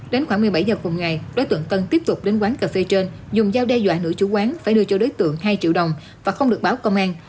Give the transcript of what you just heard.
đến khoảng một mươi bảy h cùng ngày đối tượng tân tiếp tục đến quán cà phê trên dùng dao đe dọa nữ chủ quán phải đưa cho đối tượng hai triệu đồng và không được báo công an